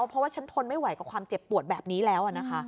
เพราะว่าฉันทนไม่ไหวกับความเจ็บปวดแบบนี้แล้วนะคะ